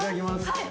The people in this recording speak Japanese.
はい。